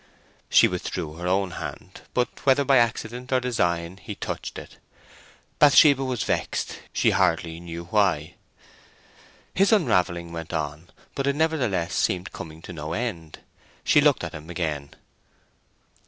She withdrew her own hand, but, whether by accident or design, he touched it. Bathsheba was vexed; she hardly knew why. His unravelling went on, but it nevertheless seemed coming to no end. She looked at him again.